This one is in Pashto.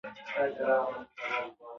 سیاسي واک باید محدود پاتې شي